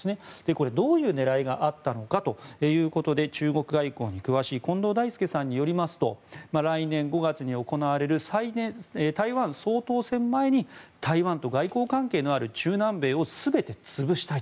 これ、どういう狙いがあったのかということで中国外交に詳しい近藤大介さんによりますと来年５月に行われる台湾総統選前に台湾と外交関係のある中南米を全て潰したい。